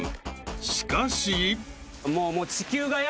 ［しかし］